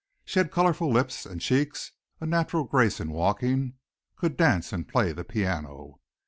She had colorful lips and cheeks, a natural grace in walking, could dance and play the piano.